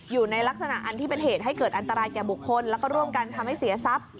อยู่ในลักษณะอันที่เป็นเหตุให้เกิดอันตรายแก่บุคคลแล้วก็ร่วมกันทำให้เสียทรัพย์